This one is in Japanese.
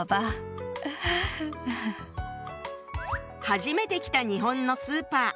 初めて来た日本のスーパー。